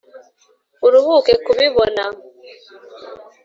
Uruhuke kubibona.